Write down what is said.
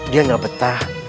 dia ga betah